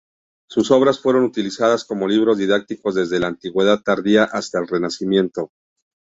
Sus obras fueron utilizadas como libros didácticos desde la Antigüedad tardía hasta el Renacimiento.